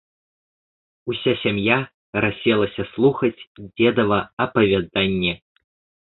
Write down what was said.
Уся сям'я расселася слухаць дзедава апавяданне.